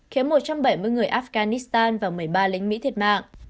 khiến một trăm bảy mươi người afghanistan và một mươi ba lính mỹ thiệt mạng